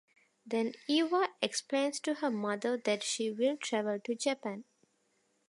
Then Eva explains to her mother that she will travel to Japan.